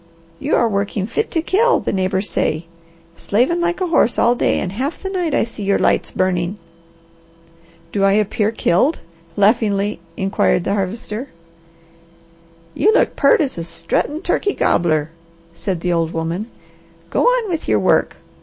"You are working fit to kill, the neighbours say. Slavin' like a horse all day, and half the night I see your lights burning." "Do I appear killed?" laughingly inquired the Harvester. "You look peart as a struttin' turkey gobbler," said the old woman. "Go on with your work!